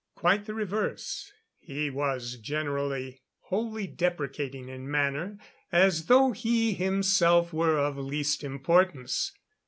Quite the reverse. He was generally wholly deprecating in manner, as though he himself were of least importance.